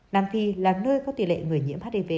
nam phi là nơi có tỷ lệ người nhiễm hiv